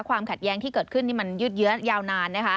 ความขัดแย้งที่เกิดขึ้นนี่มันยืดเยื้อยาวนานนะคะ